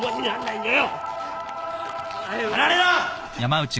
・離れろ！